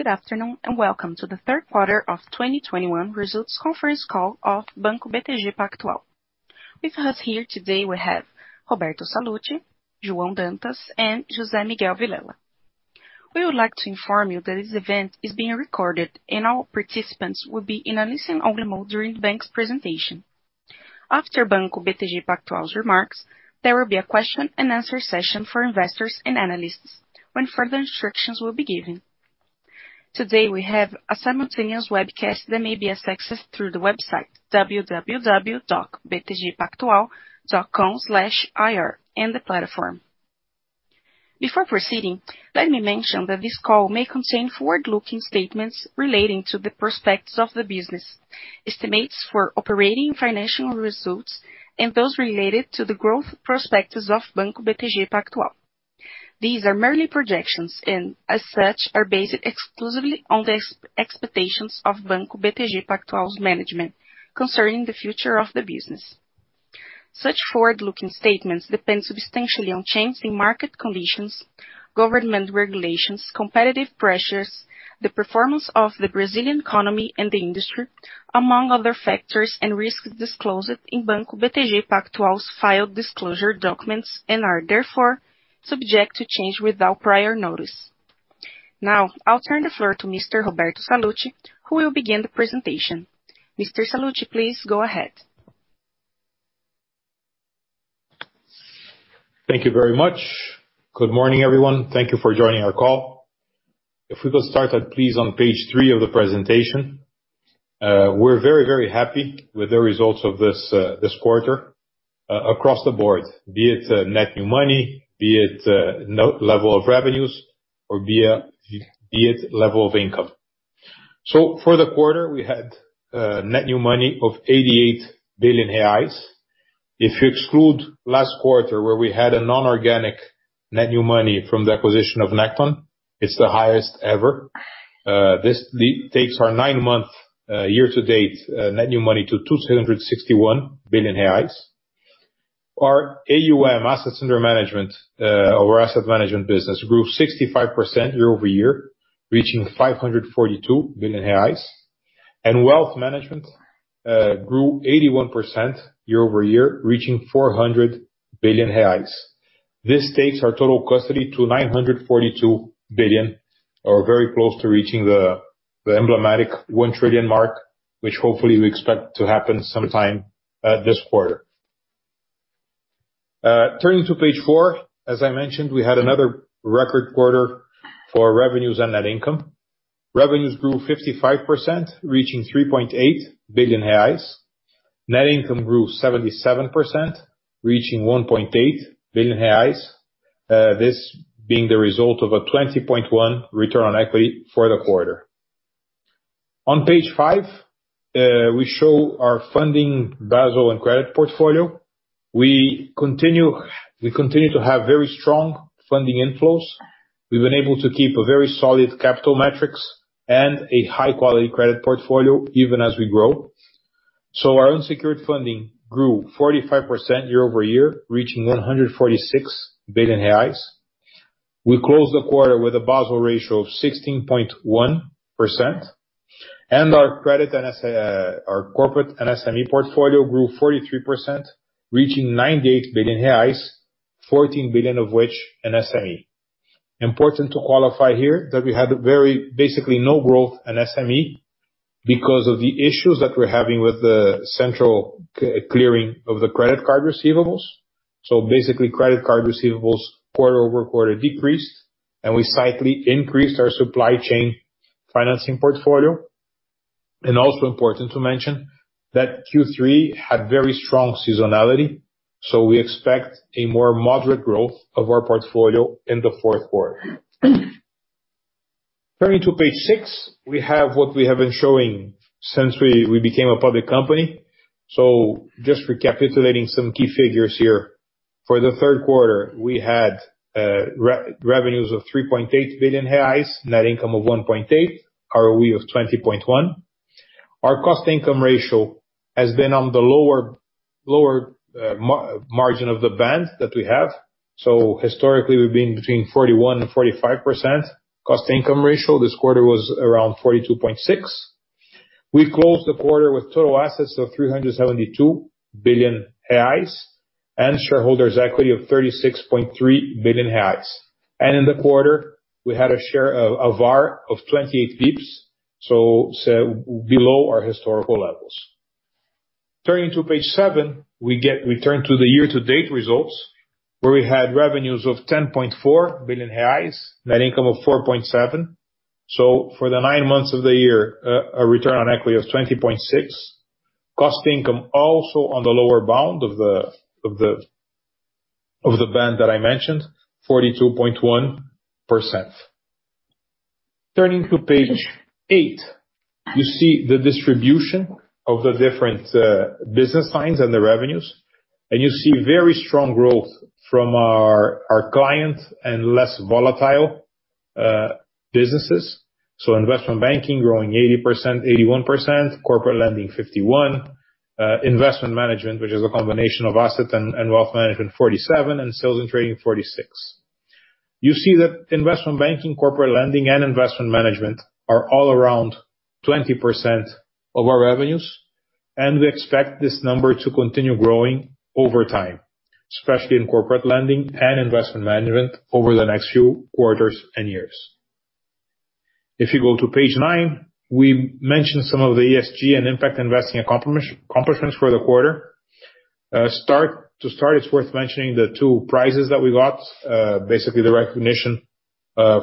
Good afternoon, and welcome to the third quarter of 2021 results conference call of Banco BTG Pactual. With us here today we have Roberto Sallouti, João Dantas and José Miguel Vilela. We would like to inform you that this event is being recorded and all participants will be in a listen only mode during the bank's presentation. After Banco BTG Pactual's remarks, there will be a question and answer session for investors and analysts when further instructions will be given. Today we have a simultaneous webcast that may be accessed through the website www.btgpactual.com/ir in the platform. Before proceeding, let me mention that this call may contain forward-looking statements relating to the prospects of the business, estimates for operating financial results, and those related to the growth prospects of Banco BTG Pactual. These are merely projections, and as such, are based exclusively on the expectations of Banco BTG Pactual's management concerning the future of the business. Such forward-looking statements depend substantially on changes in market conditions, government regulations, competitive pressures, the performance of the Brazilian economy and the industry, among other factors and risks disclosed in Banco BTG Pactual's filed disclosure documents and are therefore subject to change without prior notice. Now, I'll turn the floor to Mr. Roberto Sallouti, who will begin the presentation. Mr. Sallouti, please go ahead. Thank you very much. Good morning, everyone. Thank you for joining our call. If we could start, please, on page 3 of the presentation. We're very, very happy with the results of this quarter across the board, be it net new money, be it level of revenues or be it level of income. For the quarter we had net new money of 88 billion reais. If you exclude last quarter where we had a non-organic net new money from the acquisition of Necton, it's the highest ever. This takes our nine-month year-to-date net new money to 261 billion reais. Our AUM, Assets Under Management, our Asset Management business grew 65% year-over-year, reaching 542 billion reais. Wealth management grew 81% year-over-year, reaching 400 billion reais. This takes our total custody to 942 billion, or very close to reaching the emblematic 1 trillion mark, which hopefully we expect to happen sometime this quarter. Turning to page four, as I mentioned, we had another record quarter for revenues and net income. Revenues grew 55%, reaching 3.8 billion reais. Net income grew 77%, reaching 1.8 billion reais. This being the result of a 20.1 return on equity for the quarter. On page five, we show our funding Basel and credit portfolio. We continue to have very strong funding inflows. We've been able to keep a very solid capital metrics and a high quality credit portfolio even as we grow. Our unsecured funding grew 45% year over year, reaching 146 billion reais. We closed the quarter with a Basel ratio of 16.1%, and our credit non-SME, our corporate non-SME portfolio grew 43%, reaching 98 billion reais, 14 billion of which SME. Important to qualify here that we had very, basically no growth at SME because of the issues that we're having with the central clearing of the credit card receivables. Basically, credit card receivables quarter over quarter decreased and we slightly increased our supply chain financing portfolio. Also important to mention that Q3 had very strong seasonality, so we expect a more moderate growth of our portfolio in the fourth quarter. Turning to page 6, we have what we have been showing since we became a public company. Just recapitulating some key figures here. For the third quarter we had revenues of 3.8 billion reais, net income of 1.8 billion, ROE of 20.1%. Our cost-to-income ratio has been on the lower margin of the band that we have. Historically we've been between 41%-45% cost-to-income ratio. This quarter was around 42.6%. We closed the quarter with total assets of 372 billion reais and shareholders' equity of 36.3 billion reais. In the quarter we had a share of 28 basis points, so below our historical levels. Turning to page seven, we return to the year-to-date results where we had revenues of 10.4 billion reais, net income of 4.7 billion. For the nine months of the year, a return on equity of 20.6. Cost-to-income also on the lower bound of the band that I mentioned, 42.1%. Turning to page eight, you see the distribution of the different business lines and the revenues. You see very strong growth from our clients and less volatile businesses. Investment Banking growing 81%, Corporate Lending 51%. Investment Management, which is a combination of Asset Management and Wealth Management, 47%, and Sales & Trading 46%. You see that Investment Banking, Corporate Lending, and Investment Management are all around 20% of our revenues, and we expect this number to continue growing over time, especially in Corporate Lending and Investment Management over the next few quarters and years. If you go to page nine, we mentioned some of the ESG and impact investing accomplishments for the quarter. To start, it's worth mentioning the two prizes that we got, basically the recognition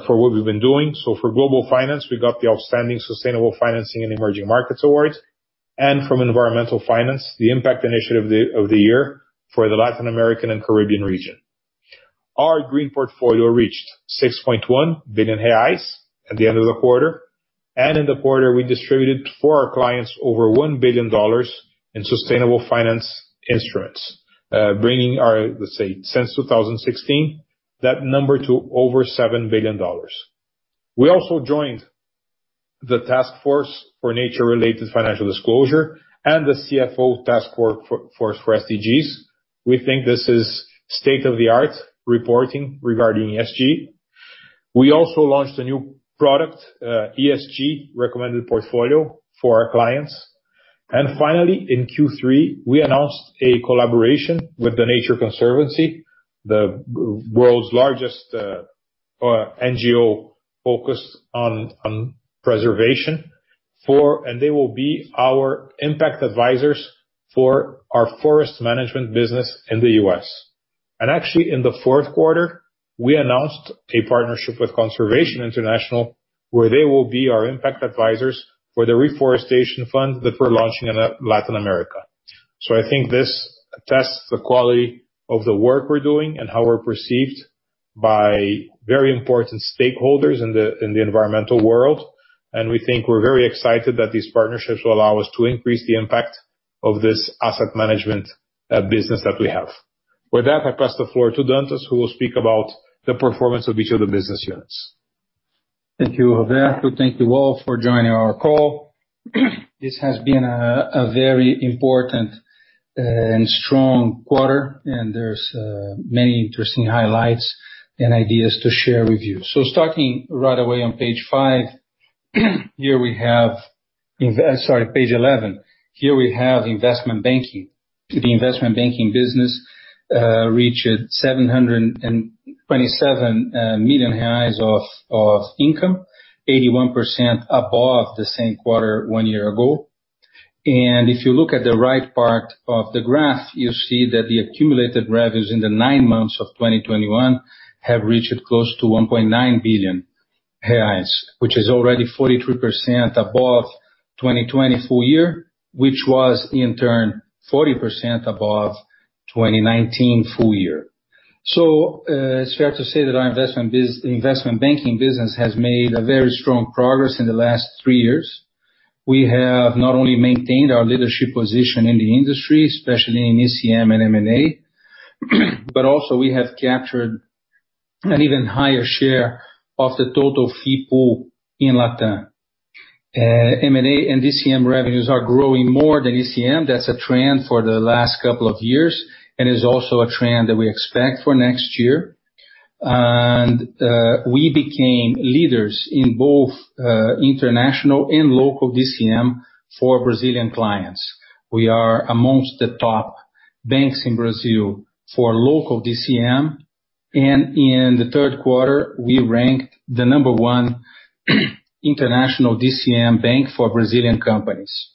for what we've been doing. For Global Finance, we got the Outstanding Sustainable Financing in Emerging Markets Award, and from Environmental Finance, the Impact Initiative of the Year for the Latin American and Caribbean region. Our green portfolio reached 6.1 billion reais at the end of the quarter. In the quarter, we distributed for our clients over $1 billion in sustainable finance instruments. Bringing our, let's say, since 2016, that number to over $7 billion. We also joined the Task Force for Nature-related Financial Disclosure and the CFO Task Force for SDGs. We think this is state-of-the-art reporting regarding ESG. We also launched a new product, ESG Recommended Portfolio for our clients. Finally, in Q3, we announced a collaboration with The Nature Conservancy, the world's largest NGO focused on preservation. They will be our impact advisors for our forest management business in the U.S. Actually, in the fourth quarter, we announced a partnership with Conservation International, where they will be our impact advisors for the reforestation fund that we're launching in Latin America. I think this attests to the quality of the work we're doing and how we're perceived by very important stakeholders in the environmental world. We think we're very excited that these partnerships will allow us to increase the impact of this Asset Management business that we have. With that, I pass the floor to Dantas, who will speak about the performance of each of the business units. Thank you, Roberto. Thank you all for joining our call. This has been a very important and strong quarter, and there's many interesting highlights and ideas to share with you. Starting right away on page 5. Sorry, page 11. Here we have Investment Banking. The Investment Banking business reached 727 million reais of income, 81% above the same quarter one year ago. If you look at the right part of the graph, you'll see that the accumulated revenues in the nine months of 2021 have reached close to 1.9 billion reais, which is already 43% above 2020 full year, which was in turn 40% above 2019 full year. It's fair to say that our investment banking business has made a very strong progress in the last three years. We have not only maintained our leadership position in the industry, especially in ECM and M&A, but also we have captured an even higher share of the total fee pool in LatAm. M&A and DCM revenues are growing more than ECM. That's a trend for the last couple of years, and is also a trend that we expect for next year. We became leaders in both international and local DCM for Brazilian clients. We are amongst the top banks in Brazil for local DCM. In the third quarter, we ranked number one international DCM bank for Brazilian companies.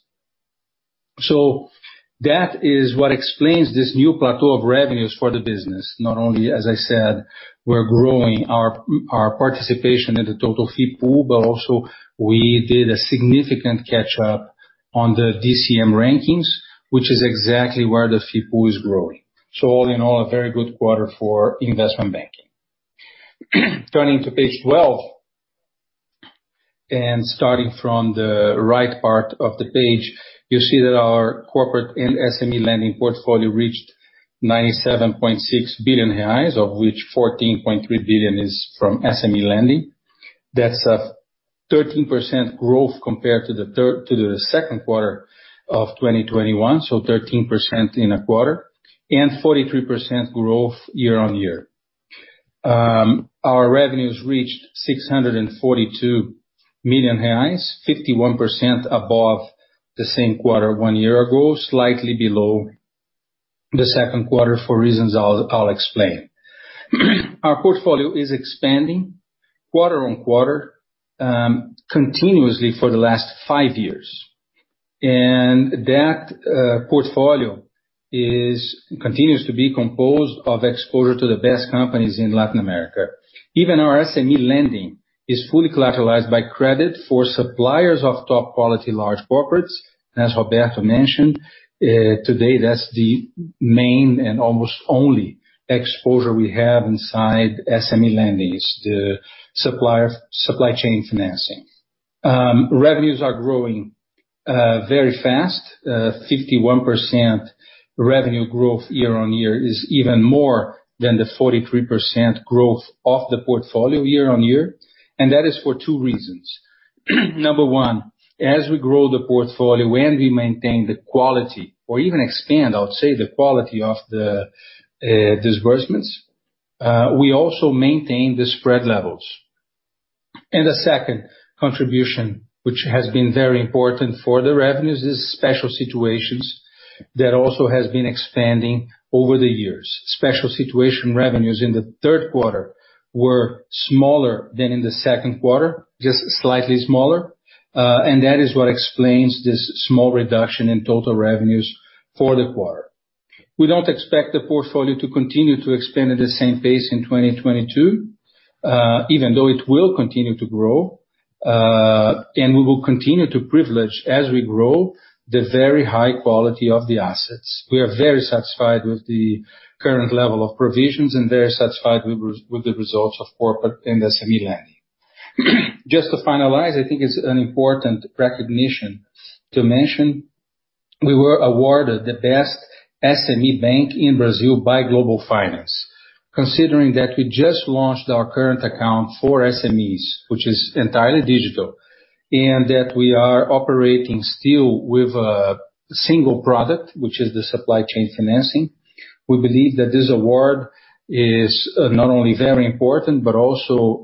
That is what explains this new plateau of revenues for the business. Not only, as I said, we're growing our participation in the total fee pool, but also we did a significant catch-up on the DCM rankings, which is exactly where the fee pool is growing. All in all, a very good quarter for Investment Banking. Turning to page 12, and starting from the right part of the page, you'll see that our Corporate and SME Lending portfolio reached 97.6 billion reais, of which 14.3 billion is from SME Lending. That's a 13% growth compared to the second quarter of 2021, so 13% in a quarter, and 43% growth year-on-year. Our revenues reached 642 million reais, 51% above the same quarter one year ago, slightly below the second quarter for reasons I'll explain. Our portfolio is expanding quarter-on-quarter continuously for the last 5 years. That portfolio continues to be composed of exposure to the best companies in Latin America. Even our SME lending is fully collateralized by credit for suppliers of top quality large corporates, as Roberto mentioned. Today, that's the main and almost only exposure we have inside SME lending. It's the supplier supply chain financing. Revenues are growing very fast. 51% revenue growth year-on-year is even more than the 43% growth of the portfolio year-on-year. That is for two reasons. Number one, as we grow the portfolio and we maintain the quality or even expand, I would say, the quality of the disbursements, we also maintain the spread levels. The second contribution, which has been very important for the revenues, is special situations that also has been expanding over the years. Special situation revenues in the third quarter were smaller than in the second quarter, just slightly smaller, and that is what explains this small reduction in total revenues for the quarter. We don't expect the portfolio to continue to expand at the same pace in 2022, even though it will continue to grow, and we will continue to privilege, as we grow, the very high quality of the assets. We are very satisfied with the current level of provisions and very satisfied with the results of corporate and SME lending. Just to finalize, I think it's an important recognition to mention we were awarded the best SME bank in Brazil by Global Finance. Considering that we just launched our current account for SMEs, which is entirely digital, and that we are operating still with a single product, which is the supply chain financing, we believe that this award is not only very important but also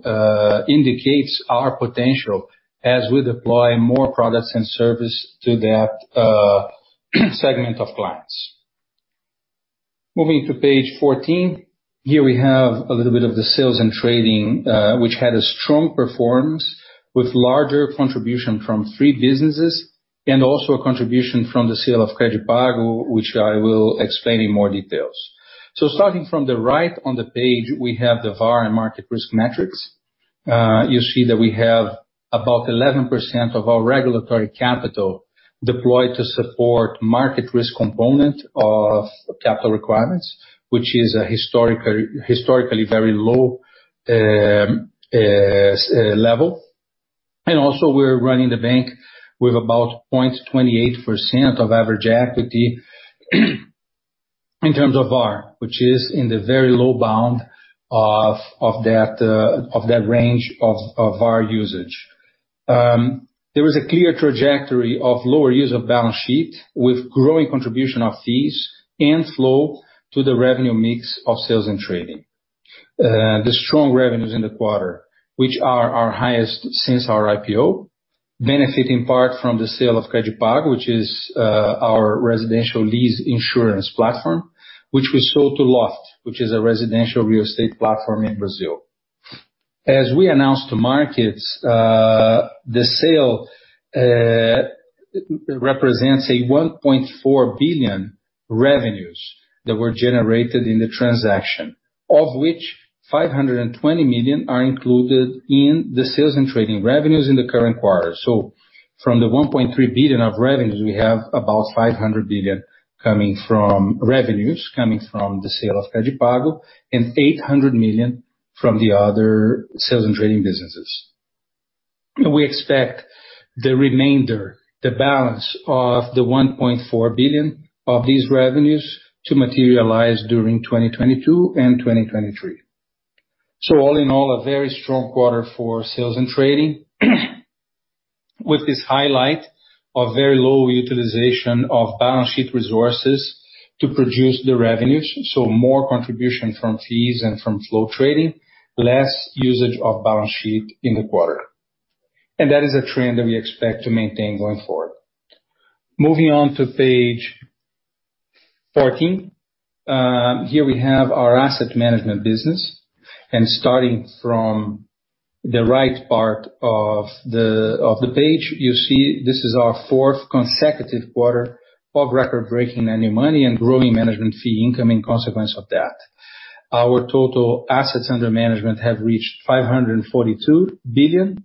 indicates our potential as we deploy more products and service to that segment of clients. Moving to page 14. Here we have a little bit of the Sales & Trading, which had a strong performance with larger contribution from three businesses and also a contribution from the sale of CredPago, which I will explain in more details. Starting from the right on the page, we have the VaR and market risk metrics. You see that we have about 11% of our regulatory capital deployed to support market risk component of capital requirements, which is historically very low level. We're running the bank with about 0.28% of average equity in terms of VaR, which is in the very low bound of that range of VaR usage. There is a clear trajectory of lower use of balance sheet with growing contribution of fees and flow to the revenue mix of Sales & Trading. The strong revenues in the quarter, which are our highest since our IPO, benefit in part from the sale of CredPago, which is our residential lease insurance platform, which we sold to Loft, which is a residential real estate platform in Brazil. As we announced to markets, the sale represents 1.4 billion revenues that were generated in the transaction, of which 520 million are included in the Sales & Trading revenues in the current quarter. From the 1.3 billion of revenues, we have about five hundred million coming from revenues, coming from the sale of CredPago, and 800 million from the other sales and trading businesses. We expect the remainder, the balance of the 1.4 billion of these revenues to materialize during 2022 and 2023. All in all, a very strong quarter for sales and trading. With this highlight of very low utilization of balance sheet resources to produce the revenues, so more contribution from fees and from flow trading, less usage of balance sheet in the quarter. That is a trend that we expect to maintain going forward. Moving on to page 14. Here we have our asset management business. Starting from the right part of the page, you see this is our fourth consecutive quarter of record-breaking net new money and growing management fee income in consequence of that. Our total assets under management have reached 542 billion,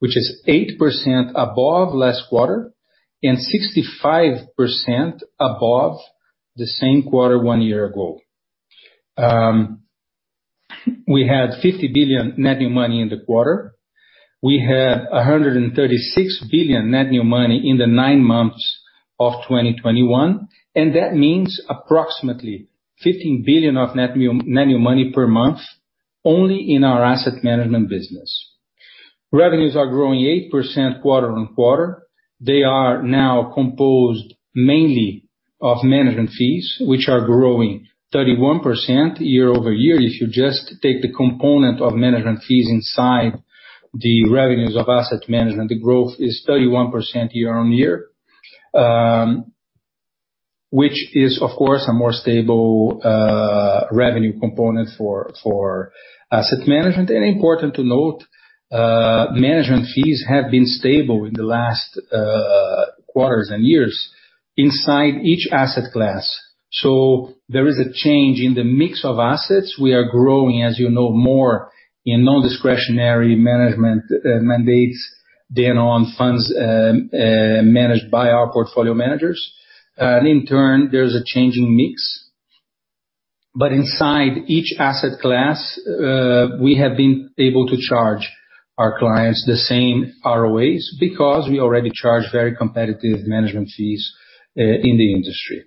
which is 8% above last quarter and 65% above the same quarter one year ago. We had 50 billion net new money in the quarter. We have 136 billion net new money in the nine months of 2021, and that means approximately 15 billion of net new money per month, only in our asset management business. Revenues are growing 8% quarter-over-quarter. They are now composed mainly of management fees, which are growing 31% year-over-year. If you just take the component of management fees inside the revenues of Asset Management, the growth is 31% year-on-year. Which is, of course, a more stable revenue component for Asset Management. Important to note, management fees have been stable in the last quarters and years inside each asset class. There is a change in the mix of assets. We are growing, as you know, more in non-discretionary management mandates than on funds managed by our portfolio managers. In turn, there's a change in mix. Inside each asset class, we have been able to charge our clients the same ROAs because we already charge very competitive management fees in the industry.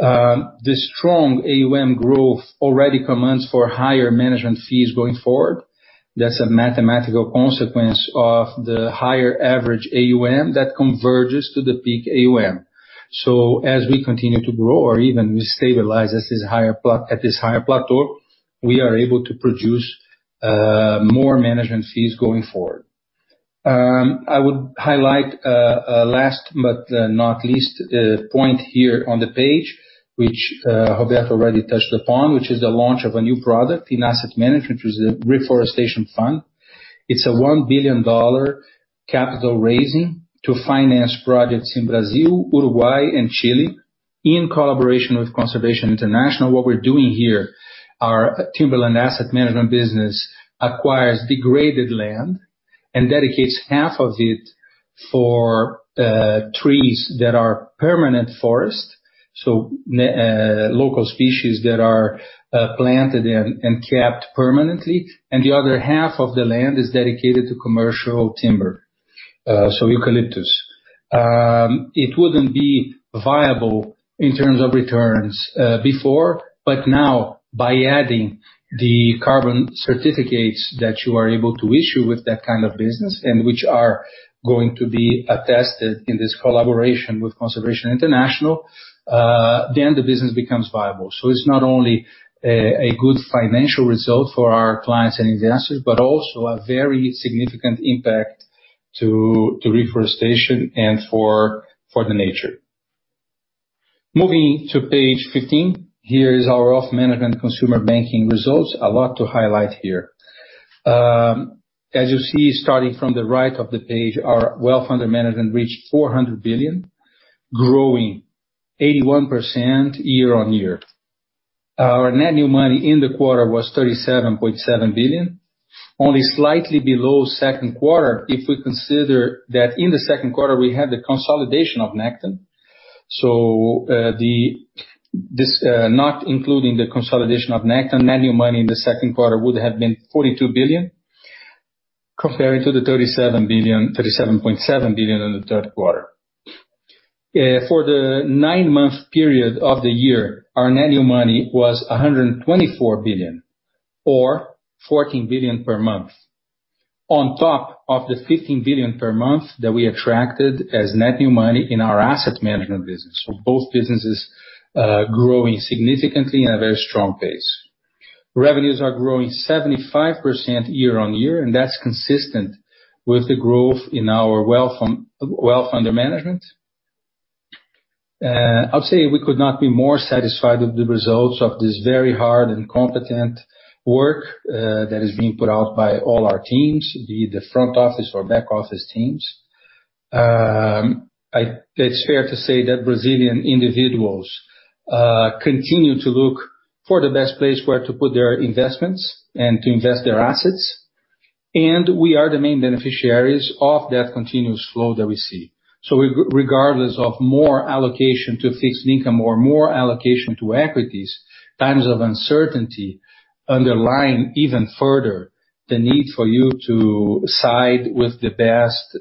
The strong AUM growth already commands for higher management fees going forward. That's a mathematical consequence of the higher average AUM that converges to the peak AUM. As we continue to grow or even we stabilize at this higher plateau, we are able to produce more management fees going forward. I would highlight last but not least point here on the page, which Roberto already touched upon, which is the launch of a new product in Asset Management, which is a reforestation fund. It's a $1 billion capital raising to finance projects in Brazil, Uruguay and Chile. In collaboration with Conservation International, what we're doing here, our Timberland Investment Group business acquires degraded land and dedicates half of it for trees that are permanent forest, so local species that are planted and kept permanently, and the other half of the land is dedicated to commercial timber, so eucalyptus. It wouldn't be viable in terms of returns before, but now by adding the carbon certificates that you are able to issue with that kind of business, and which are going to be attested in this collaboration with Conservation International, then the business becomes viable. It's not only a good financial result for our clients and investors, but also a very significant impact to reforestation and for the nature. Moving to page 15, here is our Wealth Management Consumer Banking results. A lot to highlight here. As you see, starting from the right of the page, our wealth under management reached 400 billion, growing 81% year-on-year. Our net new money in the quarter was 37.7 billion, only slightly below second quarter if we consider that in the second quarter we had the consolidation of Necton. This, not including the consolidation of Necton, net new money in the second quarter would have been 42 billion, comparing to the 37 billion, 37.7 billion in the third quarter. For the nine-month period of the year, our net new money was 124 billion or 14 billion per month. On top of the 15 billion per month that we attracted as net new money in our asset management business. Both businesses growing significantly in a very strong pace. Revenues are growing 75% year-on-year, and that's consistent with the growth in our wealth under management. I'll say we could not be more satisfied with the results of this very hard and competent work that is being put out by all our teams, be it the front office or back office teams. It's fair to say that Brazilian individuals continue to look for the best place where to put their investments and to invest their assets. We are the main beneficiaries of that continuous flow that we see. Regardless of more allocation to fixed income or more allocation to equities, times of uncertainty underline even further the need for you to side with the best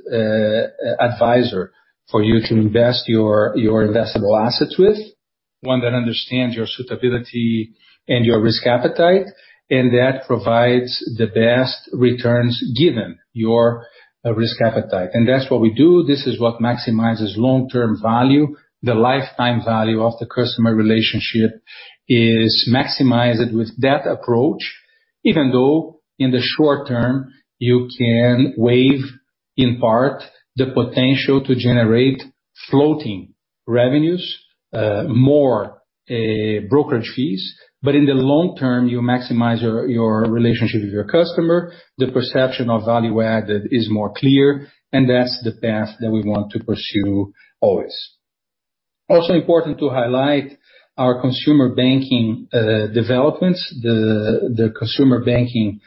advisor for you to invest your investable assets with, one that understands your suitability and your risk appetite, and that provides the best returns given your risk appetite. That's what we do. This is what maximizes long-term value. The lifetime value of the customer relationship is maximized with that approach, even though in the short term, you can waive, in part, the potential to generate floating revenues, more brokerage fees. In the long term, you maximize your relationship with your customer. The perception of value added is more clear, and that's the path that we want to pursue always. Also important to highlight our consumer banking developments. The consumer banking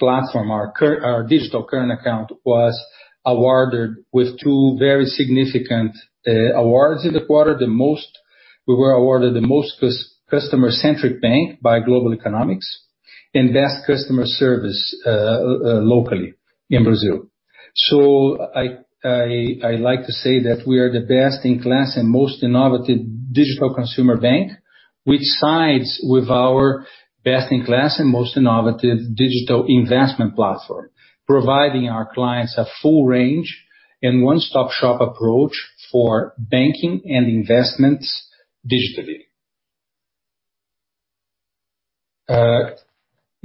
platform, our digital current account was awarded with two very significant awards in the quarter. We were awarded the most customer centric bank by The Global Economics and best customer service locally in Brazil. I like to say that we are the best in class and most innovative digital consumer bank, which sides with our best in class and most innovative digital investment platform, providing our clients a full range and one-stop-shop approach for banking and investments digitally.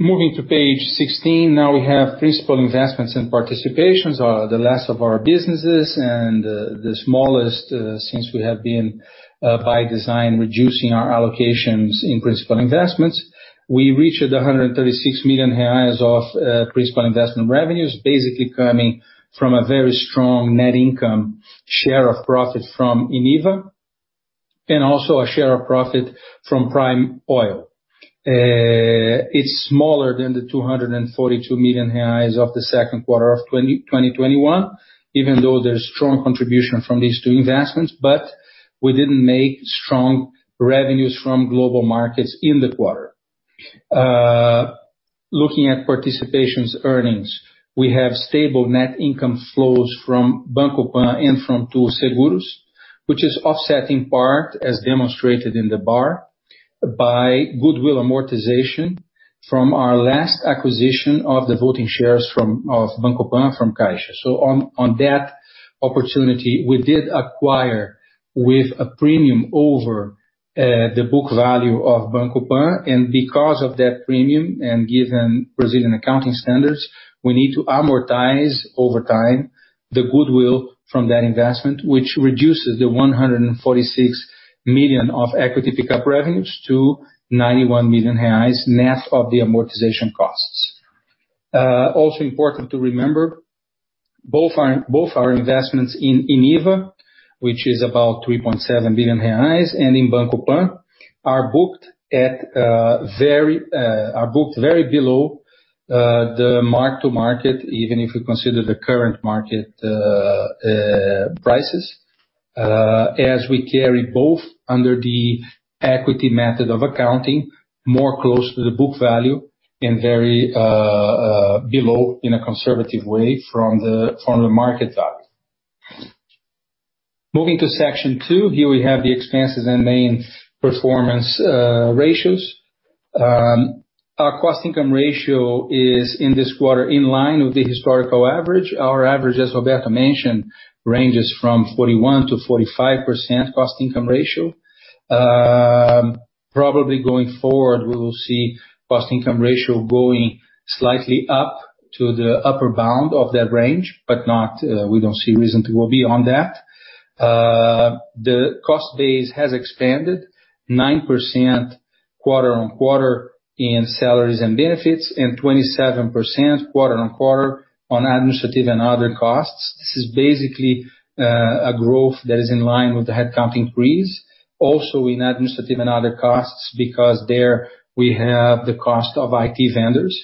Moving to page 16, now we have principal investments and participations, the last of our businesses and the smallest, since we have been by design reducing our allocations in principal investments. We reached 136 million reais of principal investment revenues, basically coming from a very strong net income share of profit from Eneva, and also a share of profit from Prime Oil & Gas. It's smaller than the 242 million reais of the second quarter of 2021, even though there's strong contribution from these two investments, but we didn't make strong revenues from global markets in the quarter. Looking at participation's earnings, we have stable net income flows from Banco Pan and from Too Seguros, which is offsetting part as demonstrated in the bar, by goodwill amortization from our last acquisition of the voting shares from Banco Pan from Caixa. On that opportunity, we did acquire with a premium over the book value of Banco Pan. Because of that premium and given Brazilian accounting standards, we need to amortize over time the goodwill from that investment, which reduces the 146 million of equity pickup revenues to 91 million reais net of the amortization costs. Also important to remember, both our investments in Eneva, which is about 3.7 billion reais, and in Banco Pan, are booked very below the mark to market, even if you consider the current market prices, as we carry both under the equity method of accounting, more close to the book value and very below in a conservative way from the market value. Moving to section two, here we have the expenses and main performance ratios. Our cost-to-income ratio is in this quarter in line with the historical average. Our average, as Roberto mentioned, ranges from 41%-45% cost-to-income ratio. Probably going forward, we will see cost-to-income ratio going slightly up to the upper bound of that range, but not. We don't see reason to go beyond that. The cost base has expanded 9% quarter-on-quarter in salaries and benefits, and 27% quarter-on-quarter on administrative and other costs. This is basically a growth that is in line with the head count increase, also in administrative and other costs because there we have the cost of IT vendors.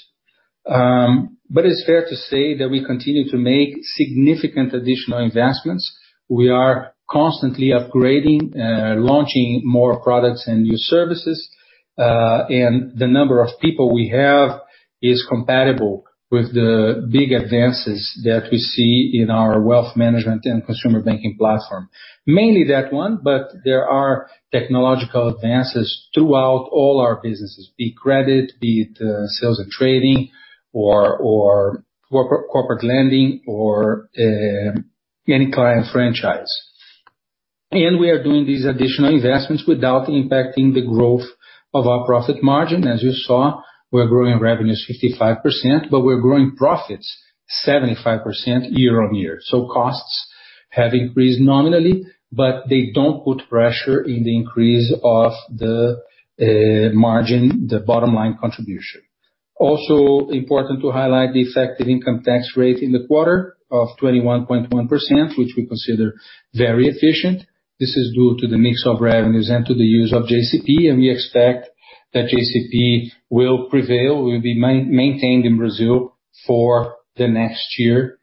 It's fair to say that we continue to make significant additional investments. We are constantly upgrading, launching more products and new services. The number of people we have is compatible with the big advances that we see in our Wealth Management and consumer banking platform. Mainly that one, but there are technological advances throughout all our businesses, be it credit, Sales and Trading or Corporate Lending or any client franchise. We are doing these additional investments without impacting the growth of our profit margin. As you saw, we're growing revenues 55%, but we're growing profits 75% year-on-year. Costs have increased nominally, but they don't put pressure in the increase of the margin, the bottom line contribution. Also important to highlight the effective income tax rate in the quarter of 21.1%, which we consider very efficient. This is due to the mix of revenues and to the use of JCP, and we expect that JCP will prevail, will be maintained in Brazil for the next year.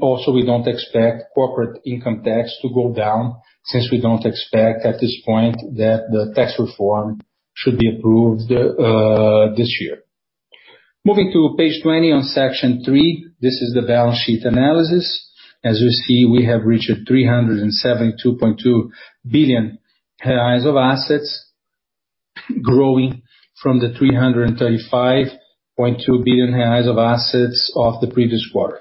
Also we don't expect corporate income tax to go down since we don't expect at this point that the tax reform should be approved this year. Moving to page 20 on section three, this is the balance sheet analysis. As you see, we have reached 372.2 billion reais of assets growing from the 335.2 billion reais of assets of the previous quarter.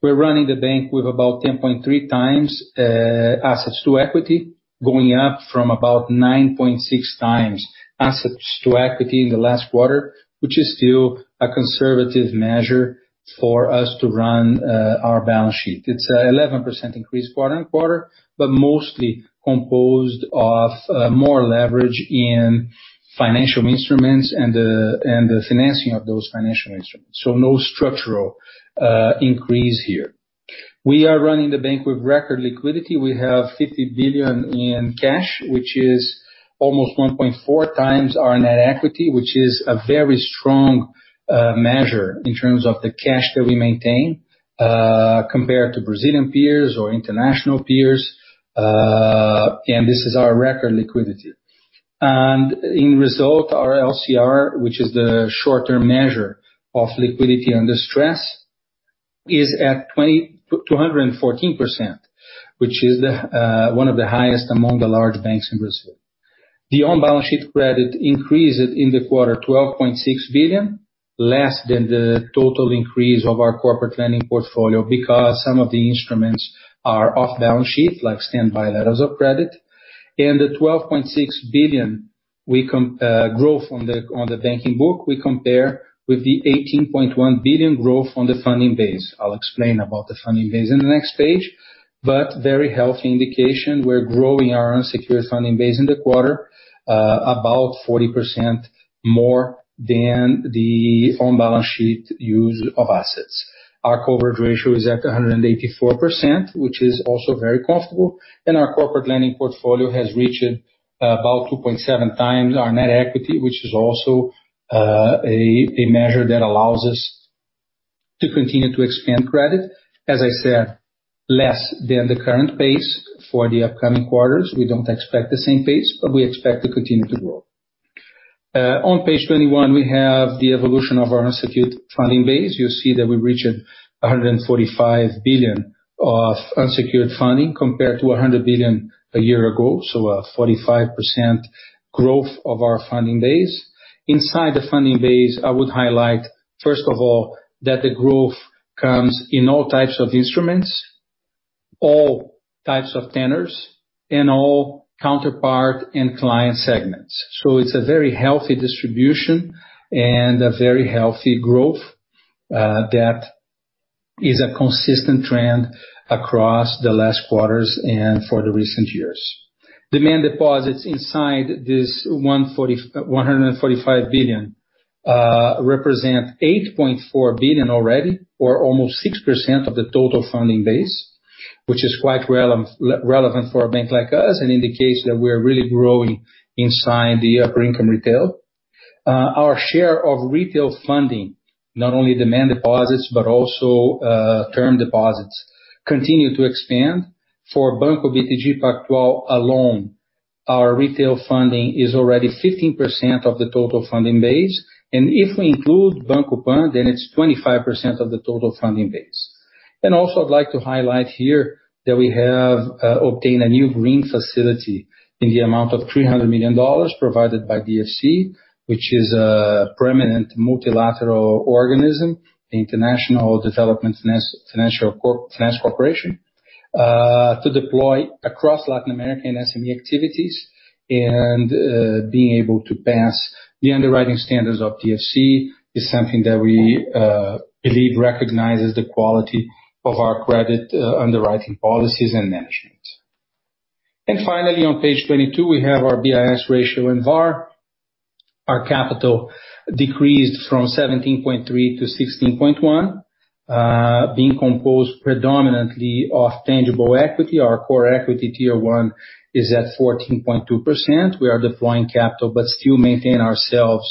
We're running the bank with about 10.3 times assets to equity, going up from about 9.6 times assets to equity in the last quarter, which is still a conservative measure for us to run our balance sheet. It's 11% increase quarter-on-quarter, but mostly composed of more leverage in financial instruments and the financing of those financial instruments. No structural increase here. We are running the bank with record liquidity. We have 50 billion in cash, which is almost 1.4 times our net equity, which is a very strong measure in terms of the cash that we maintain compared to Brazilian peers or international peers, and this is our record liquidity. As a result, our LCR, which is the short-term measure of liquidity under stress, is at 214%, which is one of the highest among the large banks in Brazil. The on-balance sheet credit increased in the quarter 12.6 billion, less than the total increase of our corporate lending portfolio because some of the instruments are off balance sheet, like standby letters of credit. The 12.6 billion growth on the banking book, we compare with the 18.1 billion growth on the funding base. I'll explain about the funding base in the next page, but very healthy indication. We're growing our unsecured funding base in the quarter about 40% more than the on-balance sheet use of assets. Our coverage ratio is at 184%, which is also very comfortable. Our corporate lending portfolio has reached about 2.7 times our net equity, which is also a measure that allows us to continue to expand credit. As I said, less than the current pace for the upcoming quarters. We don't expect the same pace, but we expect to continue to grow. On page 21, we have the evolution of our unsecured funding base. You see that we reached 145 billion of unsecured funding compared to 100 billion a year ago, so a 45% growth of our funding base. Inside the funding base, I would highlight, first of all, that the growth comes in all types of instruments, all types of tenors and all counterparties and client segments. It's a very healthy distribution and a very healthy growth, that is a consistent trend across the last quarters and for the recent years. Demand deposits inside this 145 billion represent 8.4 billion already, or almost 6% of the total funding base. Which is quite relevant for a bank like us and indicates that we're really growing inside the upper-income retail. Our share of retail funding, not only demand deposits but also term deposits, continue to expand. For Banco BTG Pactual alone, our retail funding is already 15% of the total funding base. If we include Banco Pan, then it's 25% of the total funding base. Also, I'd like to highlight here that we have obtained a new green facility in the amount of $300 million provided by DFC, which is a permanent multilateral organization, the International Development Finance Corporation, to deploy across Latin America in SME activities. Being able to pass the underwriting standards of DFC is something that we believe recognizes the quality of our credit underwriting policies and measures. Finally, on page 22, we have our BIS ratio and VaR. Our capital decreased from 17.3 to 16.1, being composed predominantly of tangible equity. Our core equity tier one is at 14.2%. We are deploying capital but still maintain ourselves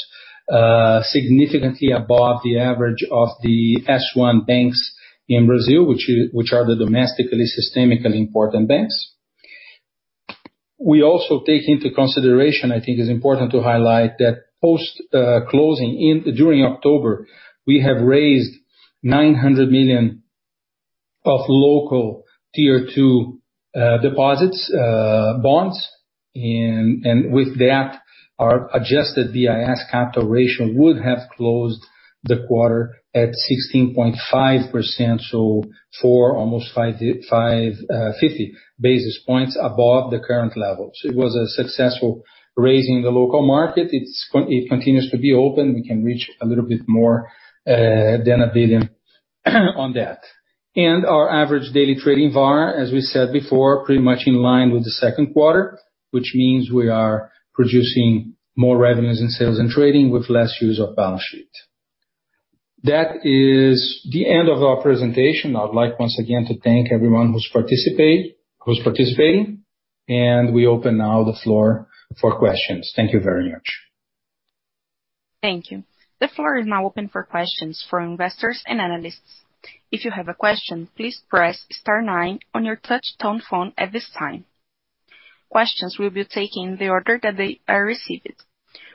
significantly above the average of the S1 banks in Brazil, which are the domestically systemically important banks. We also take into consideration, I think it's important to highlight, that post closing in during October, we have raised 900 million of local Tier 2 deposits bonds. With that, our adjusted BIS capital ratio would have closed the quarter at 16.5%, so 550 basis points above the current levels. It was a successful raise in the local market. It continues to be open. We can reach a little bit more than 1 billion on that. Our average daily trading VAR, as we said before, pretty much in line with the second quarter, which means we are producing more revenues in Sales and Trading with less use of balance sheet. That is the end of our presentation. I would like once again to thank everyone who's participating, and we open now the floor for questions. Thank you very much. Thank you. The floor is now open for questions from investors and analysts. If you have a question, please press star nine on your touch tone phone at this time. Questions will be taken in the order that they are received.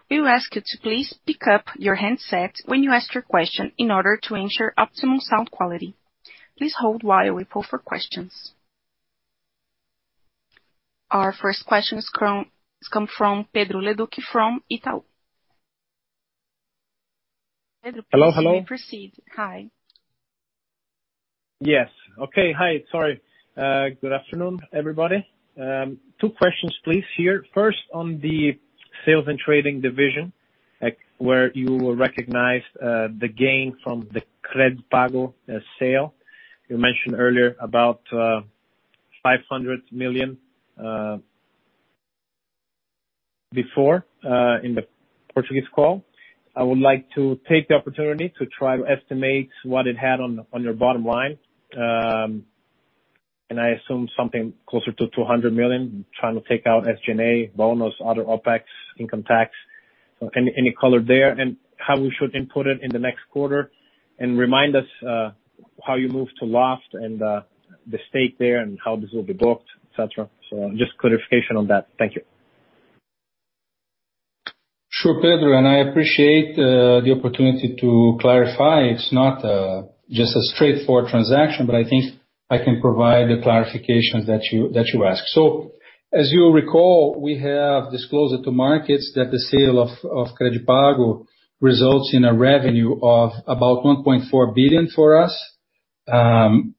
We will ask you to please pick up your handset when you ask your question in order to ensure optimum sound quality. Please hold while we call for questions. Our first question comes from Pedro Leduc from Itaú. Pedro. Hello, hello. Hi. Yes. Okay. Hi, sorry. Good afternoon, everybody. Two questions, please, here. First, on the sales and trading division, like, where you recognized the gain from the CredPago sale. You mentioned earlier about 500 million before in the Portuguese call. I would like to take the opportunity to try to estimate what it had on your bottom line. I assume something closer to 200 million, trying to take out SG&A, bonus, other OPEX, income tax. Any color there, and how we should input it in the next quarter? Remind us how you moved to Loft and the stake there and how this will be booked, et cetera. Just clarification on that. Thank you. Sure, Pedro, I appreciate the opportunity to clarify. It's not just a straightforward transaction, but I think I can provide the clarifications that you ask. As you recall, we have disclosed to markets that the sale of CredPago results in a revenue of about 1.4 billion for us.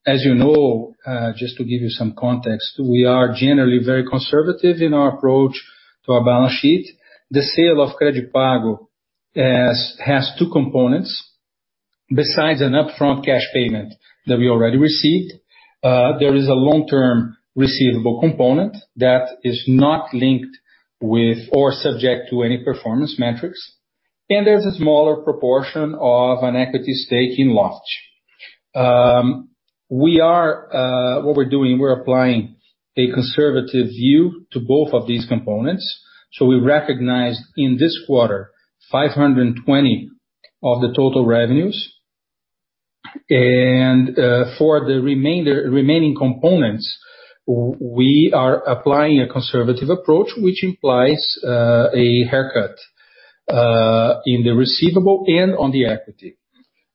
As you know, just to give you some context, we are generally very conservative in our approach to our balance sheet. The sale of CredPago has two components. Besides an upfront cash payment that we already received, there is a long-term receivable component that is not linked with or subject to any performance metrics. There's a smaller proportion of an equity stake in Loft. We're applying a conservative view to both of these components. We recognized in this quarter 520 of the total revenues. For the remaining components, we are applying a conservative approach, which implies a haircut in the receivable and on the equity.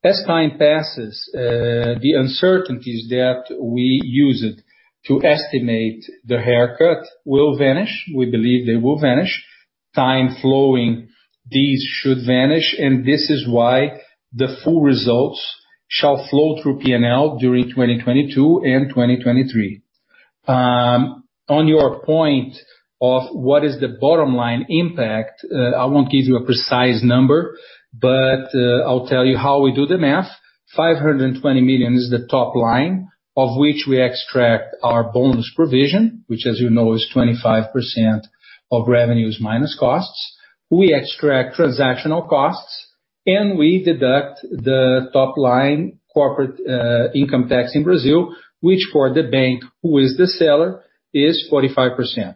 As time passes, the uncertainties that we used to estimate the haircut will vanish. We believe they will vanish. Time flowing, these should vanish, and this is why the full results shall flow through P&L during 2022 and 2023. On your point of what is the bottom line impact, I won't give you a precise number, I'll tell you how we do the math. 520 million is the top line, of which we extract our bonus provision, which as you know is 25% of revenues minus costs. We extract transactional costs, and we deduct the top line corporate income tax in Brazil, which for the bank, who is the seller, is 45%.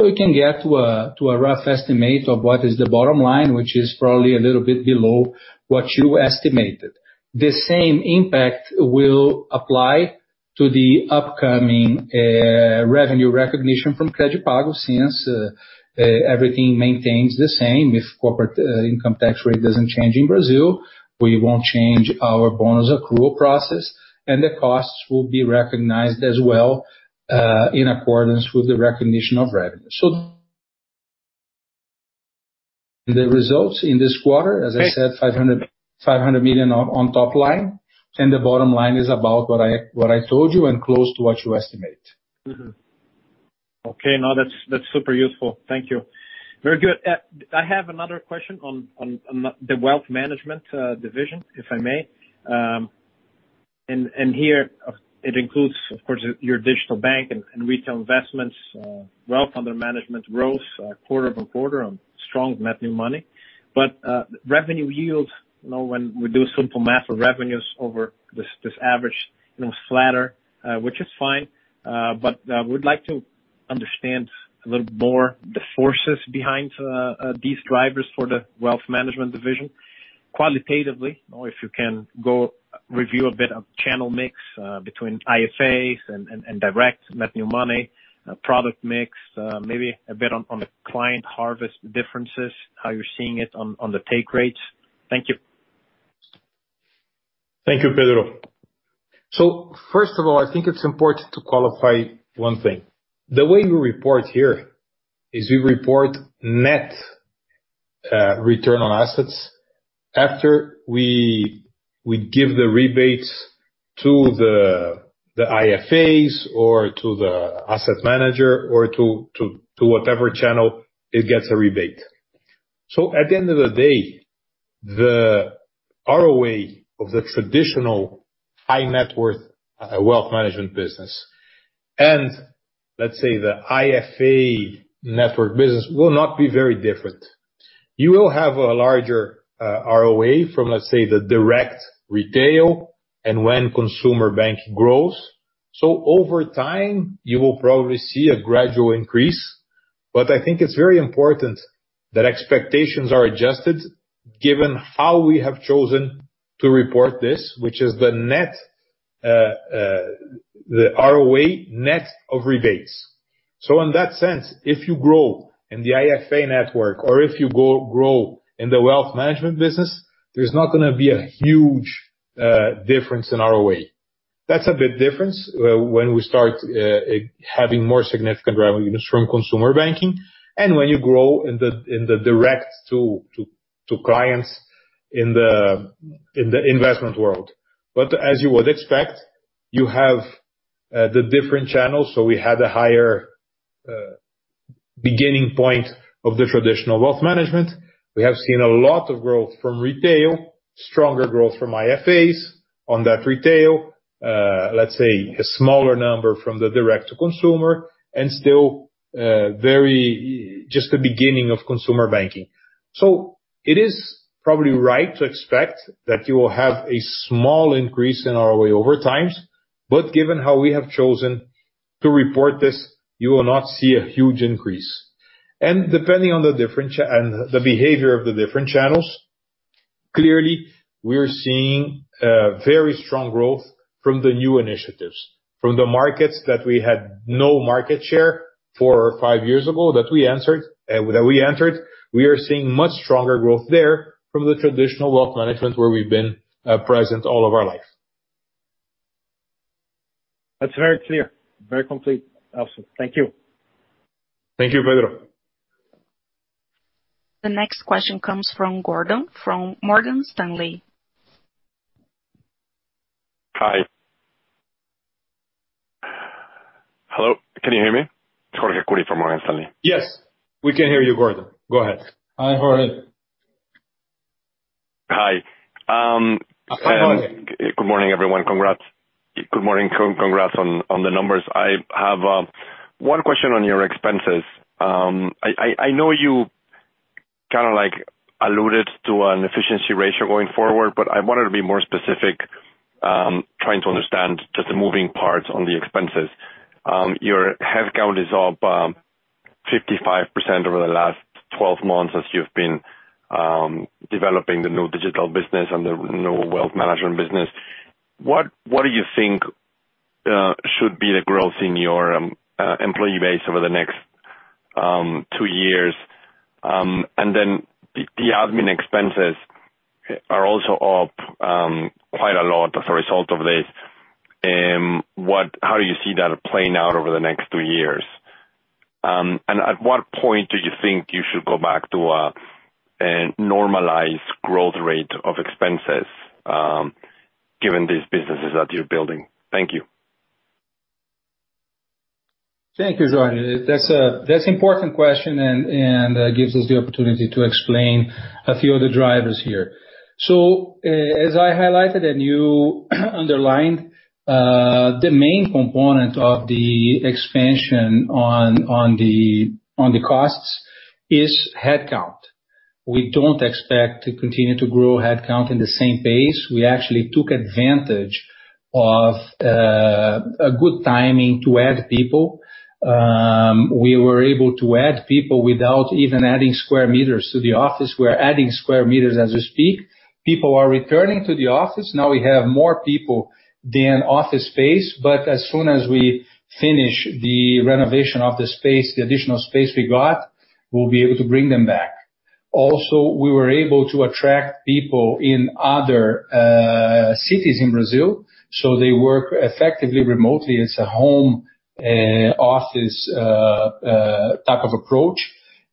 We can get to a rough estimate of what is the bottom line, which is probably a little bit below what you estimated. The same impact will apply to the upcoming revenue recognition from CredPago, since everything maintains the same. If corporate income tax rate doesn't change in Brazil, we won't change our bonus accrual process, and the costs will be recognized as well in accordance with the recognition of revenue. The results in this quarter, as I said, 500 million on top line, and the bottom line is about what I told you and close to what you estimate. Okay. No, that's super useful. Thank you. Very good. I have another question on the Wealth Management division, if I may. Here it includes, of course, your digital bank and retail investments, wealth under management growth, quarter-over-quarter on strong net new money. Revenue yield, you know, when we do simple math for revenues over this average, you know, flatter, which is fine. We'd like to understand a little more the forces behind these drivers for the Wealth Management division qualitatively. If you can go review a bit of channel mix between IFAs and direct net new money, product mix, maybe a bit on the client harvest differences, how you're seeing it on the take rates. Thank you. Thank you, Pedro. First of all, I think it's important to qualify one thing. The way we report here is we report net return on assets after we give the rebates to the IFAs or to the asset manager or to whatever channel it gets a rebate. At the end of the day, the ROA of the traditional high-net-worth Wealth Management business and, let's say, the IFA network business will not be very different. You will have a larger ROA from, let's say, the direct retail and when consumer bank grows. Over time, you will probably see a gradual increase. I think it's very important that expectations are adjusted given how we have chosen to report this, which is the net ROA net of rebates. In that sense, if you grow in the IFA network or if you grow in the Wealth Management business, there's not gonna be a huge difference in ROA. That's a big difference when we start having more significant revenues from consumer banking and when you grow in the direct to clients in the investment world. But as you would expect, you have the different channels. We had a higher beginning point of the traditional Wealth Management. We have seen a lot of growth from retail, stronger growth from IFAs on that retail, let's say a smaller number from the direct to consumer and still very just the beginning of consumer banking. It is probably right to expect that you will have a small increase in ROA over times. Given how we have chosen to report this, you will not see a huge increase. Depending on the different channels and the behavior of the different channels, clearly we are seeing very strong growth from the new initiatives, from the markets that we had no market share four or five years ago that we entered. We are seeing much stronger growth there from the traditional Wealth Management where we've been present all of our life. That's very clear. Very complete. Awesome. Thank you. Thank you, Pedro. The next question comes from Jorge Kuri, from Morgan Stanley. Hi. Hello, can you hear me? Jorge Kuri from Morgan Stanley. Yes. We can hear you, Jorge Kuri. Go ahead. Hi, Jorge. Hi. Good morning. Good morning, everyone. Congrats. Good morning. Congrats on the numbers. I have one question on your expenses. I know you. Kind of like alluded to an efficiency ratio going forward, but I wanted to be more specific, trying to understand just the moving parts on the expenses. Your headcount is up 55% over the last 12 months as you've been developing the new digital business and the new Wealth Management business. What do you think should be the growth in your employee base over the next 2 years? Then the admin expenses are also up quite a lot as a result of this. How do you see that playing out over the next 2 years? At what point do you think you should go back to a normalized growth rate of expenses, given these businesses that you're building? Thank you. Thank you, Jorge. That's an important question and gives us the opportunity to explain a few of the drivers here. As I highlighted and you underlined, the main component of the expansion of the costs is headcount. We don't expect to continue to grow headcount at the same pace. We actually took advantage of a good timing to add people. We were able to add people without even adding square meters to the office. We're adding square meters as we speak. People are returning to the office. Now we have more people than office space, but as soon as we finish the renovation of the space, the additional space we got, we'll be able to bring them back. Also, we were able to attract people in other cities in Brazil, so they work effectively remotely. It's a home office type of approach.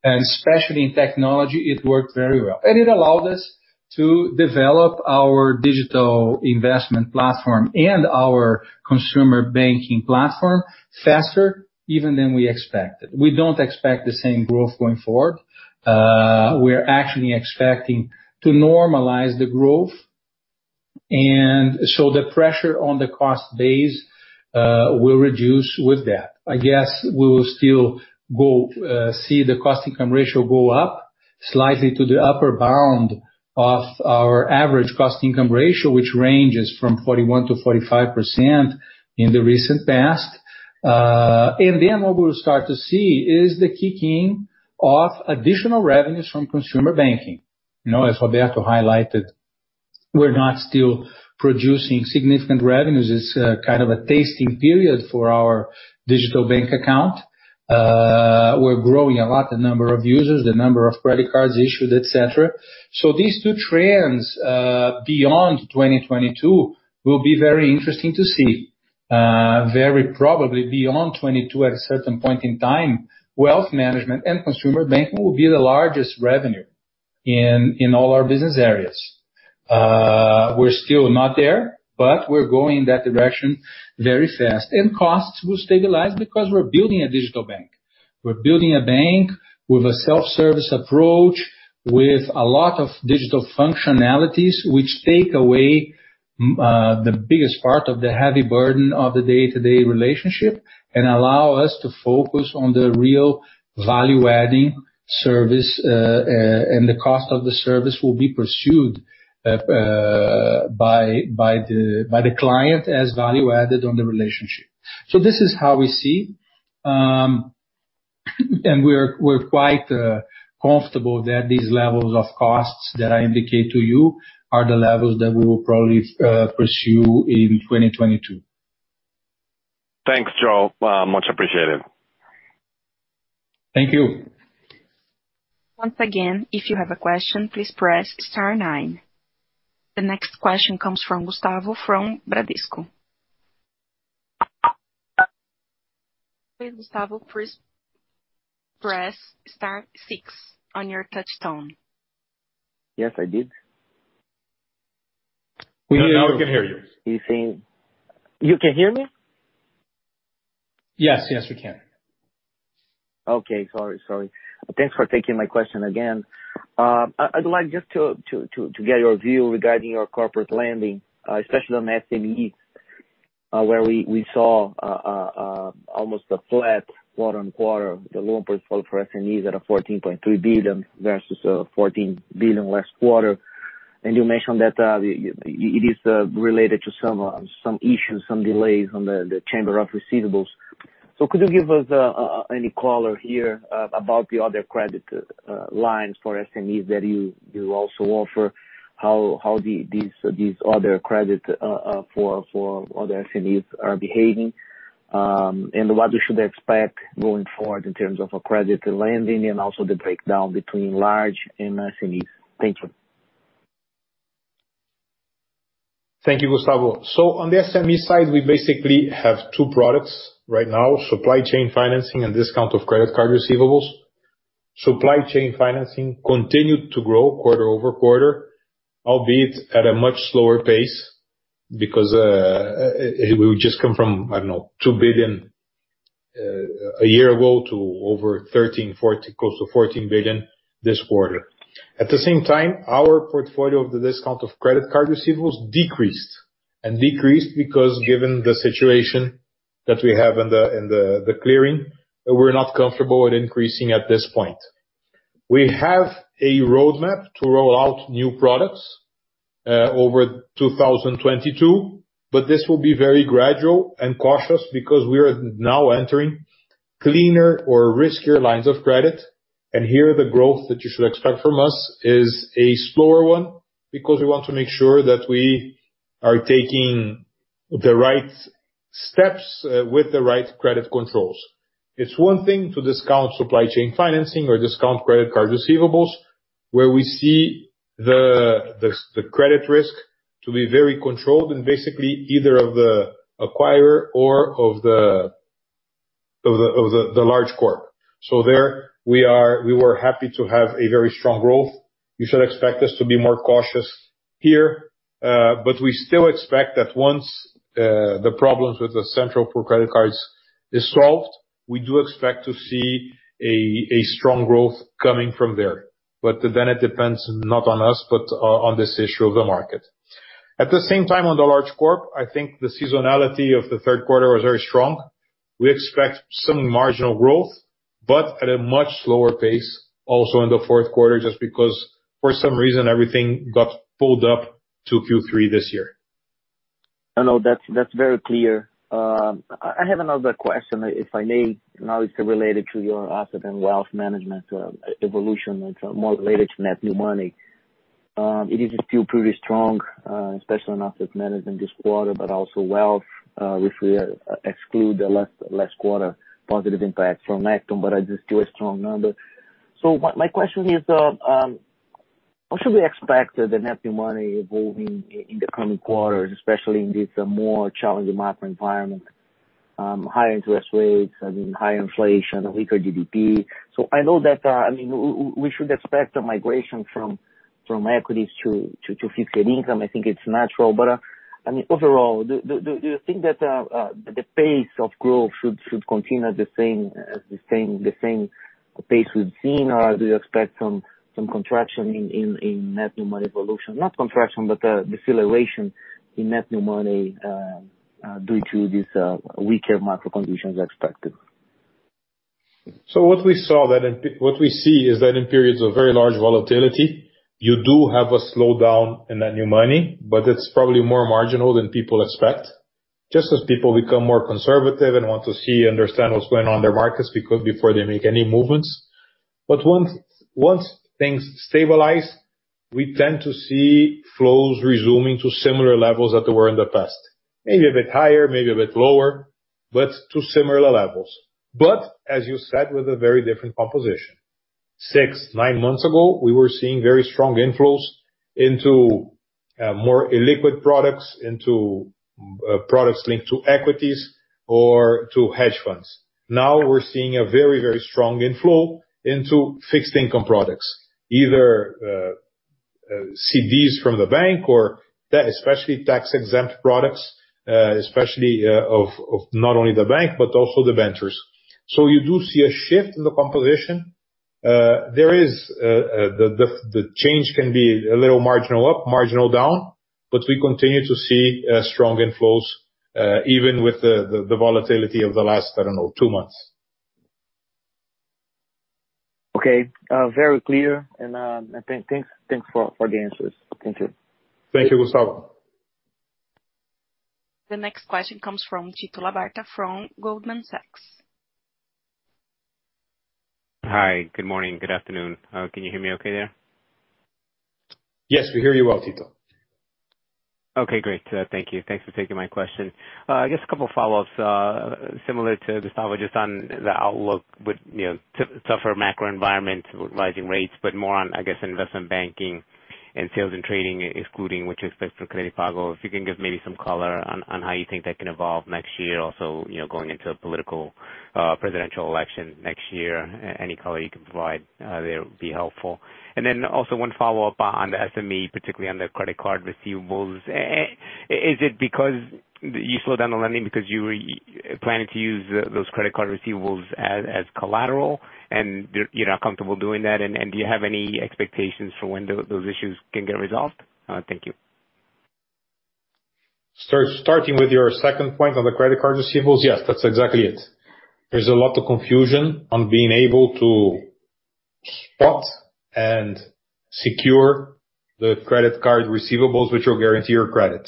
Especially in technology, it worked very well. It allowed us to develop our digital investment platform and our consumer banking platform faster even than we expected. We don't expect the same growth going forward. We're actually expecting to normalize the growth. The pressure on the cost base will reduce with that. I guess we will still go see the cost-to-income ratio go up slightly to the upper bound of our average cost-to-income ratio, which ranges from 41%-45% in the recent past. Then what we'll start to see is the kicking in of additional revenues from consumer banking. You know, as Roberto highlighted, we're not still producing significant revenues. It's kind of a testing period for our digital bank account. We're growing a lot, the number of users, the number of credit cards issued, et cetera. These two trends, beyond 2022 will be very interesting to see. Very probably beyond 2022, at a certain point in time, Wealth Management and consumer banking will be the largest revenue in all our business areas. We're still not there, but we're going in that direction very fast. Costs will stabilize because we're building a digital bank. We're building a bank with a self-service approach, with a lot of digital functionalities, which take away the biggest part of the heavy burden of the day-to-day relationship and allow us to focus on the real value-adding service. The cost of the service will be pursued by the client as value added on the relationship. This is how we see. We're quite comfortable that these levels of costs that I indicate to you are the levels that we will probably pursue in 2022. Thanks, João. Much appreciated. Thank you. Once again, if you have a question, please press star nine. The next question comes from Gustavo from Bradesco. Gustavo, please press star six on your touch tone. Yes, I did. We didn't. Now we can hear you. You can hear me? Yes. Yes, we can. Okay. Sorry. Thanks for taking my question again. I'd like just to get your view regarding your corporate lending, especially on SMEs, where we saw almost a flat quarter-on-quarter, the loan portfolio for SMEs at 14.3 billion versus 14 billion last quarter. You mentioned that it is related to some issues, some delays on the chamber of receivables. Could you give us any color here about the other credit lines for SMEs that you also offer, how these other credit for other SMEs are behaving, and what we should expect going forward in terms of credit lending and also the breakdown between large and SMEs. Thank you. Thank you, Gustavo. On the SME side, we basically have two products right now: supply chain financing and discount of credit card receivables. Supply chain financing continued to grow quarter-over-quarter, albeit at a much slower pace because it would just come from, I don't know, 2 billion a year ago to over 13.4, close to 14 billion this quarter. At the same time, our portfolio of the discount of credit card receivables decreased because given the situation That we have in the clearing, and we're not comfortable with increasing at this point. We have a roadmap to roll out new products over 2022, but this will be very gradual and cautious because we are now entering cleaner or riskier lines of credit. Here, the growth that you should expect from us is a slower one, because we want to make sure that we are taking the right steps with the right credit controls. It's one thing to discount supply chain financing or discount credit card receivables, where we see the credit risk to be very controlled and basically either of the acquirer or of the large corp. There we are, we were happy to have a very strong growth. You should expect us to be more cautious here. We still expect that once the problems with the Central for credit cards is solved, we do expect to see a strong growth coming from there. It depends not on us, but on this issue of the market. At the same time, on the large corp, I think the seasonality of the third quarter was very strong. We expect some marginal growth, but at a much slower pace also in the fourth quarter, just because for some reason, everything got pulled up to Q3 this year. I know that's very clear. I have another question, if I may. Now, it's related to your Asset and Wealth Management evolution. It's more related to net new money. It is still pretty strong, especially in Asset Management this quarter, but also Wealth, which we exclude the last quarter positive impact from Necton, but are still a strong number. My question is, what should we expect the net new money evolving in the coming quarters, especially in this more challenging macro environment, higher interest rates, I mean, higher inflation, weaker GDP. I know that, I mean we should expect a migration from equities to fixed income. I think it's natural. I mean, overall, do you think that the pace of growth should continue the same pace we've seen? Or do you expect some contraction in net new money evolution? Not contraction, but deceleration in net new money due to this weaker macro conditions expected? What we see is that in periods of very large volatility, you do have a slowdown in that new money, but it's probably more marginal than people expect. Just as people become more conservative and want to see, understand what's going on in the markets before they make any movements. Once things stabilize, we tend to see flows resuming to similar levels that they were in the past. Maybe a bit higher, maybe a bit lower, but to similar levels. As you said, with a very different composition. 6-9 months ago, we were seeing very strong inflows into more illiquid products, into products linked to equities or to hedge funds. Now we're seeing a very, very strong inflow into fixed income products, either CDs from the bank or especially tax-exempt products of not only the bank, but also the ventures. You do see a shift in the composition. The change can be a little marginal up, marginal down, but we continue to see strong inflows even with the volatility of the last, I don't know, two months. Okay. Very clear. Thanks for the answers. Thank you. Thank you, Gustavo. The next question comes from Tito Labarta from Goldman Sachs. Hi. Good morning. Good afternoon. Can you hear me okay there? Yes, we hear you well, Tito. Okay, great. Thank you. Thanks for taking my question. I guess a couple of follow-ups. Similar to Gustavo, just on the outlook with, you know, tougher macro environment, rising rates, but more on, I guess, Investment Banking and Sales and Trading, excluding what you expect from CredPago. If you can give maybe some color on how you think that can evolve next year also, you know, going into the political presidential election next year. Any color you can provide there would be helpful. One follow-up on the SME, particularly on the credit card receivables. Is it because you slowed down the lending because you were planning to use those credit card receivables as collateral, and you're not comfortable doing that? Do you have any expectations for when those issues can get resolved? Thank you. Starting with your second point on the credit card receivables, yes, that's exactly it. There's a lot of confusion on being able to spot and secure the credit card receivables which will guarantee your credit.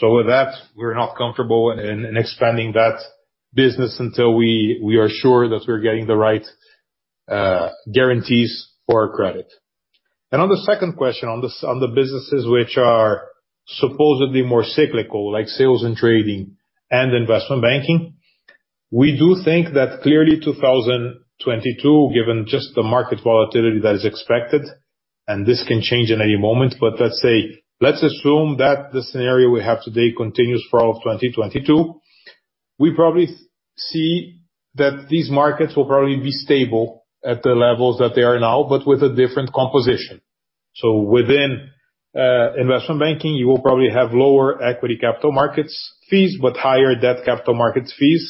With that, we're not comfortable in expanding that business until we are sure that we're getting the right guarantees for our credit. On the second question, on the businesses which are supposedly more cyclical, like Sales & Trading and Investment Banking, we do think that clearly 2022, given just the market volatility that is expected, and this can change in any moment. Let's say, let's assume that the scenario we have today continues for all of 2022. We probably see that these markets will probably be stable at the levels that they are now, but with a different composition. Within investment banking, you will probably have lower equity capital markets fees, but higher debt capital markets fees.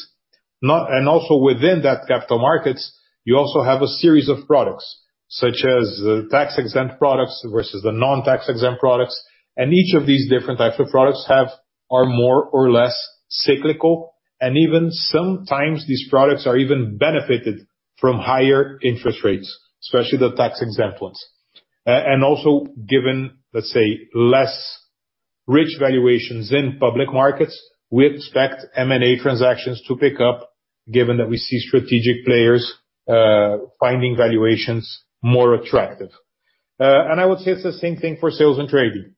Within that capital markets, you also have a series of products such as the tax-exempt products versus the non-tax-exempt products. Each of these different types of products are more or less cyclical. Even sometimes these products are even benefited from higher interest rates, especially the tax-exempt ones. Given, let's say, less rich valuations in public markets, we expect M&A transactions to pick up, given that we see strategic players finding valuations more attractive. I would say it's the same thing for sales and trading.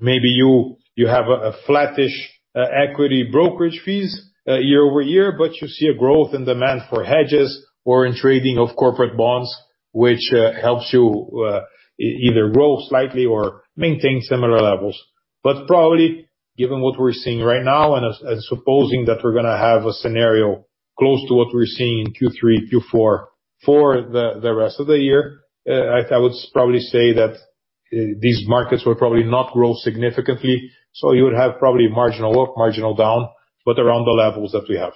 Maybe you have a flattish equity brokerage fees year-over-year, but you see a growth in demand for hedges or in trading of corporate bonds, which helps you either grow slightly or maintain similar levels. But probably given what we're seeing right now and supposing that we're gonna have a scenario close to what we're seeing in Q3, Q4 for the rest of the year, I would probably say that these markets will probably not grow significantly. You would have probably marginal up, marginal down, but around the levels that we have.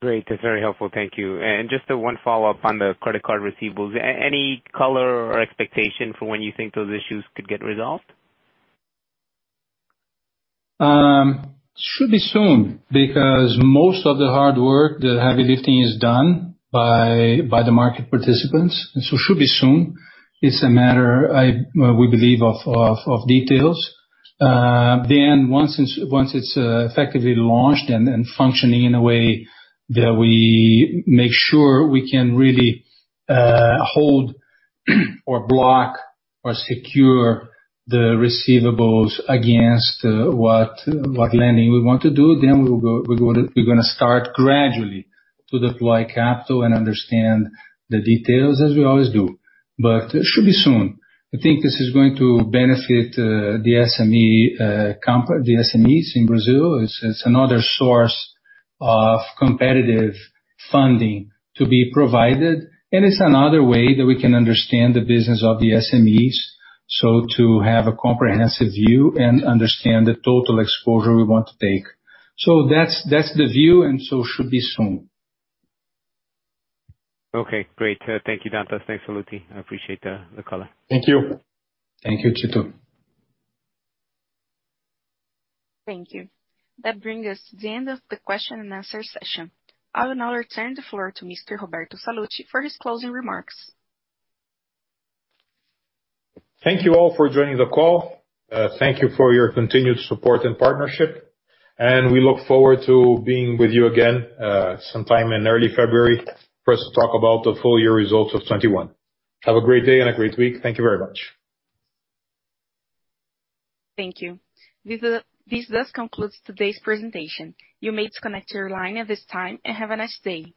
Great. That's very helpful. Thank you. Just one follow-up on the credit card receivables. Any color or expectation for when you think those issues could get resolved? Should be soon because most of the hard work, the heavy lifting is done by the market participants. Should be soon. It's a matter we believe of details. Once it's effectively launched and functioning in a way that we make sure we can really hold or block or secure the receivables against what lending we want to do, then we'll go. We're gonna start gradually to deploy capital and understand the details as we always do. It should be soon. I think this is going to benefit the SMEs in Brazil. It's another source of competitive funding to be provided, and it's another way that we can understand the business of the SMEs, so to have a comprehensive view and understand the total exposure we want to take. That's the view and so should be soon. Okay, great. Thank you, Dantas. Thanks, Sallouti. I appreciate the color. Thank you. Thank you too. Thank you. That brings us to the end of the question and answer session. I will now return the floor to Mr. Roberto Sallouti for his closing remarks. Thank you all for joining the call. Thank you for your continued support and partnership, and we look forward to being with you again, sometime in early February for us to talk about the full year results of 2021. Have a great day and a great week. Thank you very much. Thank you. This does conclude today's presentation. You may disconnect your line at this time and have a nice day.